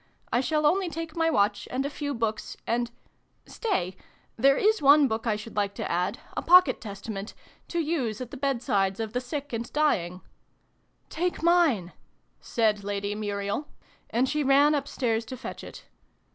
I shall only take my watch, and a few books, and stay there is one book I should like to add, a pocket Testament to use at the bedsides of the sick and dying " Take mine !" said Lady Muriel : and she ran upstairs to fetch it.